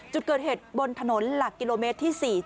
จุดเกิดเหตุบนถนนหลักกิโลเมตรที่๔๗